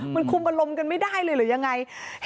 มันคุมอารมณ์กันไม่ได้เลยหรือยังไง